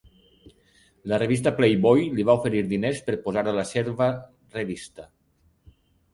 La revista Playboy li va oferir diners per posar a la serva revista.